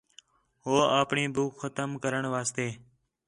ہو اپݨی ٻُکھ ختم کرݨ واسطے